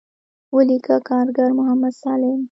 وليکه کارګر محمد سالم.